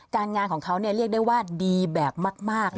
งานของเขาเรียกได้ว่าดีแบบมาก